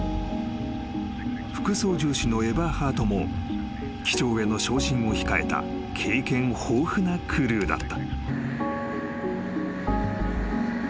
［副操縦士のエバーハートも機長への昇進を控えた経験豊富なクルーだった］